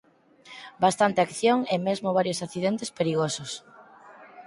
Bastante acción e mesmo varios accidentes perigosos.